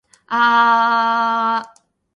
あああああああああああ